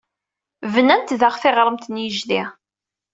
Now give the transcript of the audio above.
Bnant daɣ tiɣremt n yijdi.